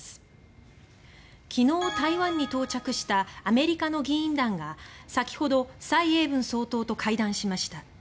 昨日、台湾に到着したアメリカの議員団が先ほど蔡英文総統と会談しました。